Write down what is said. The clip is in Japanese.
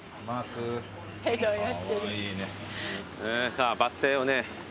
さあバス停をね。